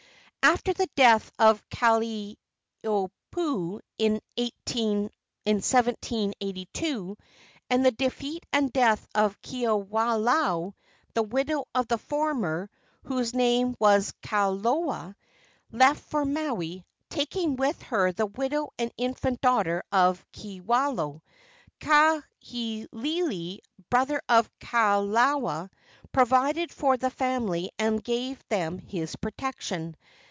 After the death of Kalaniopuu, in 1782, and the defeat and death of Kiwalao, the widow of the former, whose name was Kalola, left for Maui, taking with her the widow and infant daughter of Kiwalao. Kahekili, brother of Kalola, provided for the family and gave them his protection.